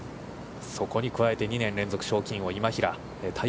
そこに加えて２年連続賞金王、今平。